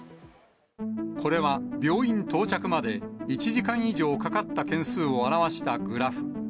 これは病院到着まで１時間以上かかった件数を表したグラフ。